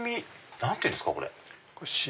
何て言うんですか？